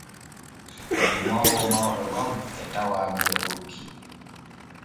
Demoowo mawɗo gom e tawa gure ɓokki.